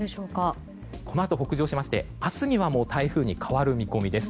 このあと北上しまして明日には台風に変わる見込みです。